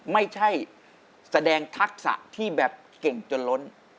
ไม่ใช่แสดงทักษะที่แบบเก่งจนล้น